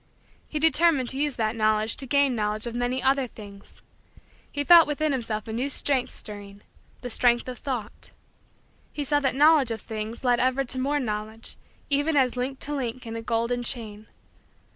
He determined to use that knowledge to gain Knowledge of many other things. He felt within himself a new strength stirring the strength of thought. He saw that knowledge of things led ever to more knowledge, even as link to link in a golden chain.